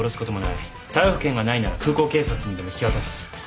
逮捕権がないなら空港警察にでも引き渡す。